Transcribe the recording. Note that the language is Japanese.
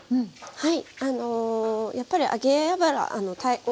はい。